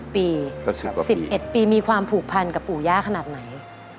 ๑๑ปีมีความผูกพันกับปู่ย่าขนาดไหน